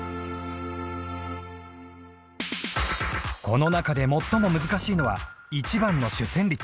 この中で最も難しいのは１番の主旋律。